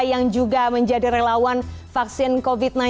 yang juga menjadi relawan vaksin covid sembilan belas